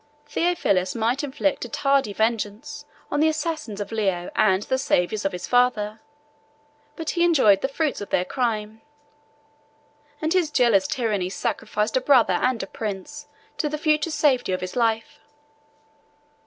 Theophilus might inflict a tardy vengeance on the assassins of Leo and the saviors of his father; but he enjoyed the fruits of their crime; and his jealous tyranny sacrificed a brother and a prince to the future safety of his life.